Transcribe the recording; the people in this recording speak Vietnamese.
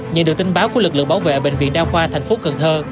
nhận được tin báo của lực lượng bảo vệ bệnh viện đa khoa thành phố cần thơ